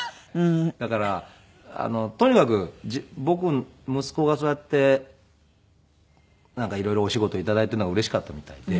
だからとにかく息子がそうやってなんか色々お仕事を頂いているのがうれしかったみたいで。